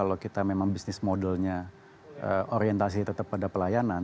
kalau kita memang bisnis modelnya orientasi tetap pada pelayanan